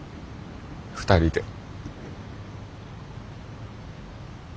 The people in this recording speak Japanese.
２人で。